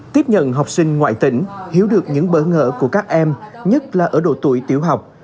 tiếp nhận học sinh ngoại tỉnh hiểu được những bỡ ngỡ của các em nhất là ở độ tuổi tiểu học